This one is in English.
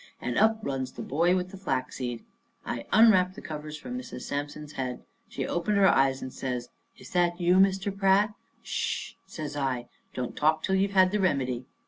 And up runs the boy with the flaxseed. I unwrapped the covers from Mrs. Sampson's head. She opened her eyes and says: "Is that you, Mr. Pratt?" "S s sh," says I. "Don't talk till you've had the remedy."